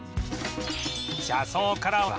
車窓からは